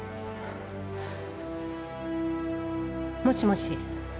もしもし。